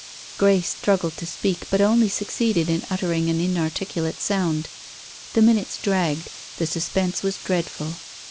Grey struggled to speak, but only succeeded in uttering an inarticulate sound. The minutes dragged. The suspense was dreadful.